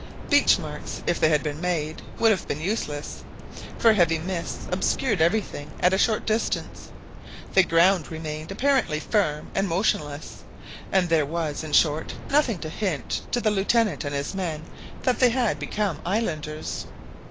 Beach marks, if they had been made, would have been useless; for heavy mists obscured everything at a short distance, the ground remained apparently firm and motionless, and there was, in short, nothing to hint to the Lieutenant and his men that they had become islanders.